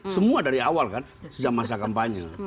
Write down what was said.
semua dari awal kan sejak masa kampanye